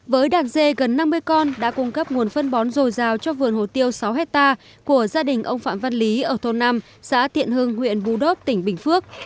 với đàn dê gần năm mươi con đã cung cấp nguồn phân bón dồi dào cho vườn hồ tiêu sáu hectare của gia đình ông phạm văn lý ở thôn năm xã thiện hưng huyện bù đốc tỉnh bình phước